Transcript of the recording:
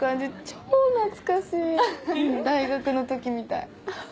超懐かしい大学の時みたい。